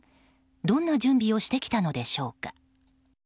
どんな準備をしてきたのでしょうか？